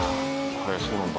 へえそうなんだ。